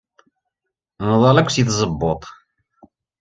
Nḍall akk seg tzewwut.